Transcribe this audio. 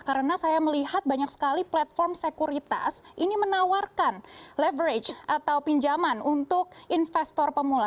karena saya melihat banyak sekali platform sekuritas ini menawarkan leverage atau pinjaman untuk investor pemula